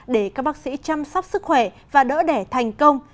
để các bác sĩ chăm sóc sức khỏe và đỡ đẻ thành công